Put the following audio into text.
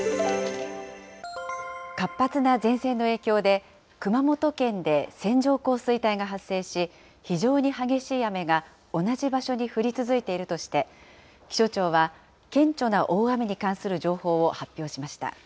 活発な前線の影響で、熊本県で線状降水帯が発生し、非常に激しい雨が同じ場所に降り続いているとして、気象庁は、顕著な大雨に関する情報を発表しました。